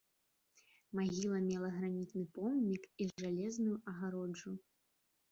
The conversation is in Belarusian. Магіла мела гранітны помнік і жалезную агароджу.